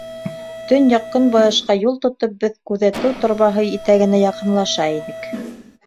Төньяҡ-көнбайышҡа юл тотоп, беҙ Күҙәтеү Торбаһы итәгенә яҡынлаша инек.